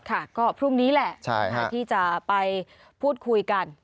ค่ะก็พรุ่งนี้แหละที่จะไปพูดคุยกัน